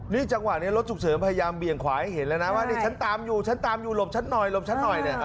นี่จังหวะนี้รถฉุกเฉินพยายามเบี่ยงขวาให้เห็นแล้วนะว่านี่ฉันตามอยู่ฉันตามอยู่หลบฉันหน่อยหลบฉันหน่อยเนี่ย